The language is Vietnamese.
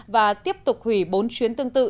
và tiếp tục hủy bốn chuyến tương tự